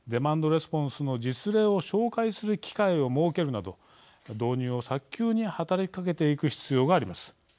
レスポンスの実例を紹介する機会を設けるなど導入を早急に働きかけていく必要があります。